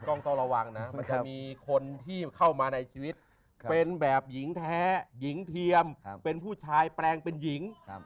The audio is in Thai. ต้องต้องระวังนะมันจะมีคนที่เข้ามาในชีวิตเป็นแบบหญิงแท้หญิงเทียมเป็นผู้ชายแปลงเป็นหญิง